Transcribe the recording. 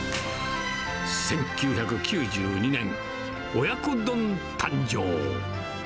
１９９２年、親子丼誕生。